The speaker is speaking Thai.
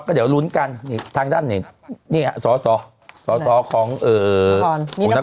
ก็เดี๋ยวลุ้นกันทางด้านนี่นี่อ่ะสอสอสอสอของเอ่อผู้นคร